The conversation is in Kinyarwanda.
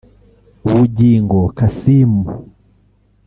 Bugingo Kassim